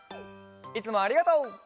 いつもありがとう。